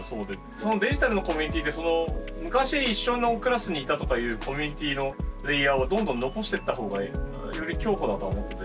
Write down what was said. そのデジタルのコミュニティって昔一緒のクラスにいたとかいうコミュニティのレイヤーをどんどん残してった方がより強固だとは思ってて。